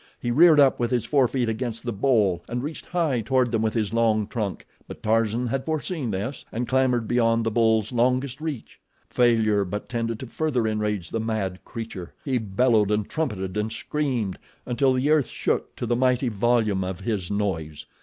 He reared up with his forefeet against the bole and reached high toward them with his long trunk; but Tarzan had foreseen this and clambered beyond the bull's longest reach. Failure but tended to further enrage the mad creature. He bellowed and trumpeted and screamed until the earth shook to the mighty volume of his noise.